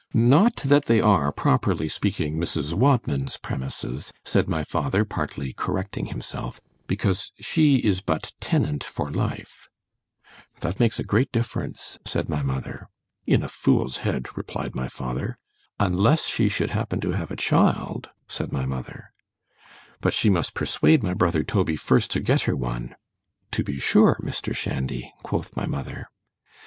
—Not that they are, properly speaking, Mrs. Wadman's premises, said my father, partly correcting himself—because she is but tenant for life—— ——That makes a great difference—said my mother—— —In a fool's head, replied my father—— Unless she should happen to have a child—said my mother—— ——But she must persuade my brother Toby first to get her one— To be sure, Mr. Shandy, quoth my mother.